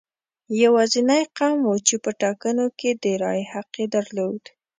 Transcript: یوازینی قوم و چې په ټاکنو کې د رایې حق یې درلود.